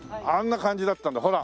あんな感じだったんだ。